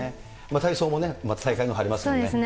体操もまた大会もありますね。